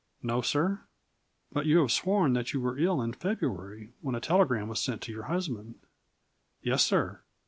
"No, sir." "But you have sworn that you were ill in February, when a telegram was sent to your husband?" "Yes, sir."